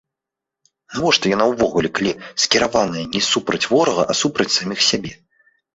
Навошта яна ўвогуле, калі скіраваная не супраць ворага, а супраць саміх сябе?